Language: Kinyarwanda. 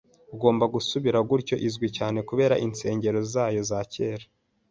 Ugomba gusura Kyoto, izwi cyane kubera insengero zayo za kera.